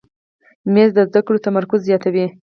مېز د زده کړو تمرکز زیاتوي.